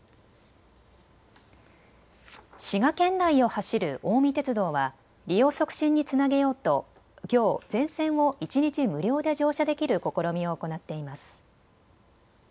滋賀県内を走る近江鉄道は利用促進につなげようときょう全線を一日無料で乗車できる試みを行っています。